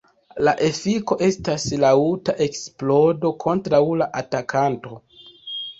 La efiko estas laŭta eksplodo kontraŭ la atakanto.